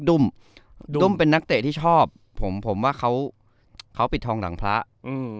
ดุ้มเป็นนักเตะที่ชอบผมผมว่าเขาเขาปิดทองหลังพระอืม